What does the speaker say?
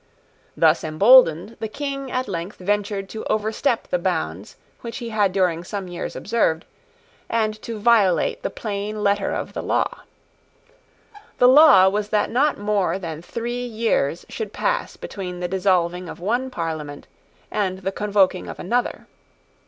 Thus emboldened, the King at length ventured to overstep the bounds which he had during some years observed, and to violate the plain letter of the law. The law was that not more than three years should pass between the dissolving of one Parliament and the convoking of another.